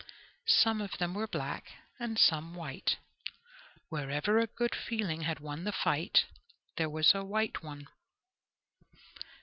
Some of them were black and some white; wherever a good feeling had won the fight, there was a white one.